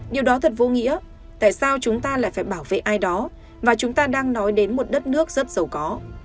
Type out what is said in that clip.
điều đó thật vô nghĩa tại sao chúng ta lại phải bảo vệ ai đó và chúng ta đang nói đến một đất nước rất giàu có